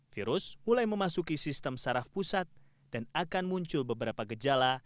virus mulai memasuki sistem saraf pusat dan akan muncul beberapa gejala